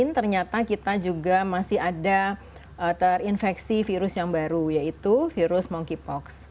ternyata kita juga masih ada terinfeksi virus yang baru yaitu virus monkeypox